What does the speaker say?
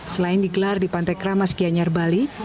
selain digelar di pantai kramas gianyar bali